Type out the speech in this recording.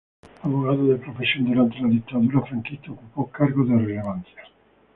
Abogado de profesión, durante la Dictadura franquista ocupó cargos de relevancia.